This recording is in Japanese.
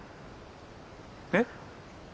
えっ？